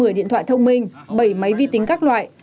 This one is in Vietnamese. người điện thoại thông minh bảy máy vi tính các loại